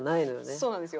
そうなんですよ。